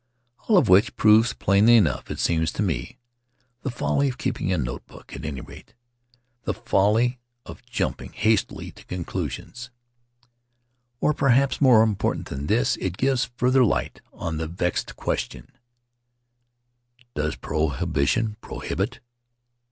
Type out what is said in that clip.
All of which proves plainly enough, it seems to me, the folly of keeping a notebook; at any rate, the folly of jumping hastily to conclusions. Faery Lands of the South Seas Or perhaps, more important than this, it gives further light on the vexed question, Does prohibition prohibit?